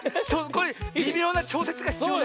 これびみょうなちょうせつがひつようね。